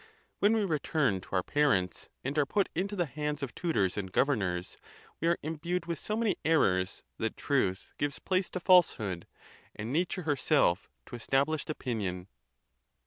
When we return to our parents, and are put into the hands of tutors and governors, we are imbued with so many errors that truth gives place to falsehood, and nature herself to established opinion.